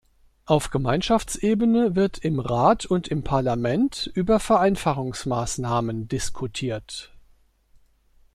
Auf Gemeinschaftsebene wird im Rat und im Parlament über Vereinfachungsmaßnahmen diskutiert.